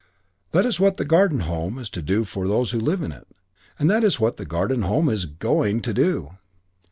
That is what the Garden Home is to do for those who live in it, and that is what the Garden Home is going to do."